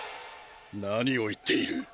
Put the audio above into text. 何を言っている。